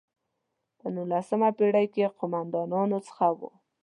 په نولسمه پېړۍ کې قوماندانانو څخه وو.